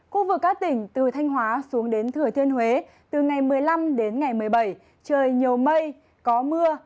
khu vực các tỉnh từ thanh hóa xuống đến thừa thiên huế từ ngày một mươi năm đến ngày một mươi bảy trời nhiều mây có mưa